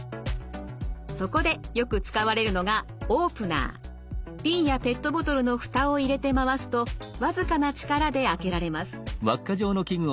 そこでよく使われるのが瓶やペットボトルの蓋を入れて回すと僅かな力で開けられます。